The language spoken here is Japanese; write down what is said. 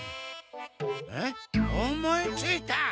あっ思いついた！